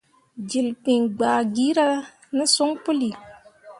Jilkpiŋ gbah gira ne son puli.